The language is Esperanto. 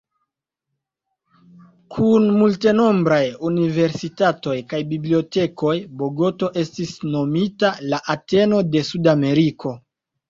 Kun multenombraj universitatoj kaj bibliotekoj, Bogoto estis nomita "La Ateno de Sudameriko".